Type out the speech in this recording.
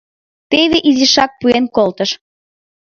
Теве, изишак пуэн колтыш.